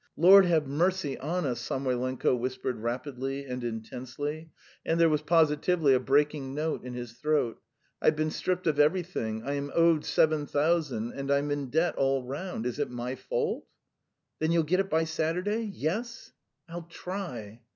"Lord have mercy on us!" Samoylenko whispered rapidly and intensely, and there was positively a breaking note in his throat. "I've been stripped of everything; I am owed seven thousand, and I'm in debt all round. Is it my fault?" "Then you'll get it by Saturday? Yes?" "I'll try."